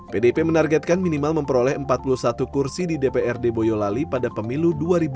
pdip menargetkan minimal memperoleh empat puluh satu kursi di dprd boyolali pada pemilu dua ribu dua puluh